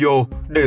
để tạo lợi đảo